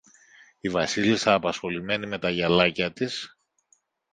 Η Βασίλισσα, απασχολημένη με τα γυαλάκια της